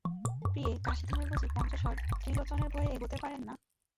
প্রিয়ে, কাশীধামে বুঝি পঞ্চশর ত্রিলোচনের ভয়ে এগোতে পারেন না?